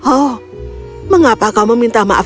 oh mengapa kau meminta maaf